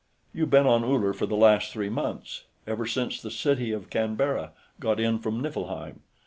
"You've been on Uller for the last three months; ever since the City of Canberra got in from Niflheim.